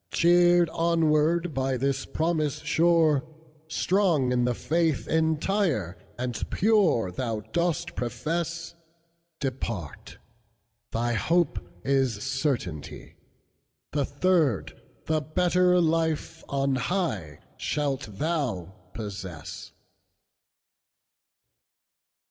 "Cheered onward by this promise sure, Strong in the faith entire and pureThou dost profess, Depart, thy hope is certainty, The third, the better life on highShalt thou possess."